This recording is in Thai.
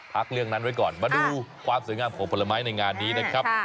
พักเรื่องนั้นไว้ก่อนมาดูความสวยงามของผลไม้ในงานนี้นะครับ